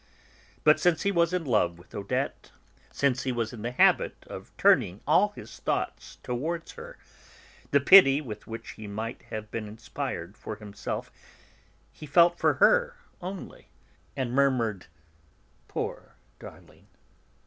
But since he was in love with Odette, since he was in the habit of turning all his thoughts towards her, the pity with which he might have been inspired for himself he felt for her only, and murmured: "Poor darling!"